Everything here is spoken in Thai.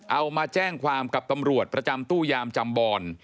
เอามาแจ้งความกับตำรวจประจำตู้ยามจำบอน